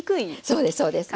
そうですそうです。